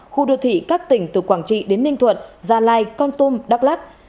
khu đô thị các tỉnh từ quảng trị đến ninh thuận gia lai con tum đắk lắc